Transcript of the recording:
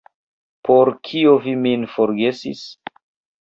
Por kio vi min forgesis?